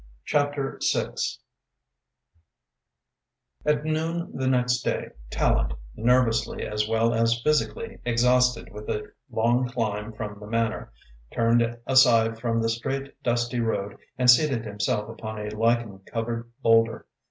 CHAPTER VI At noon the next day, Tallente, nervously as well as physically exhausted with the long climb from the Manor, turned aside from the straight, dusty road and seated himself upon a lichen covered boulder.